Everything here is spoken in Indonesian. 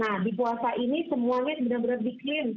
nah di puasa ini semuanya benar benar di clean